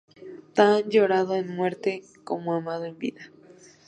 Fue de todos tan llorado en muerte, como amado en vida.